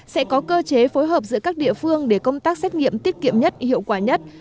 sẽ có cơ chế phối hợp giữa các địa phương để công tác xét nghiệm tiết kiệm nhất hiệu quả nhất